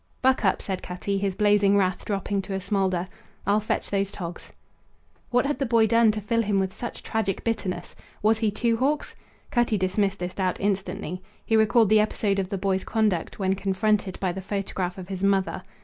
"Buck up," said Cutty, his blazing wrath dropping to a smoulder. "I'll fetch those togs." What had the boy done to fill him with such tragic bitterness? Was he Two Hawks? Cutty dismissed this doubt instantly. He recalled the episode of the boy's conduct when confronted by the photograph of his mother.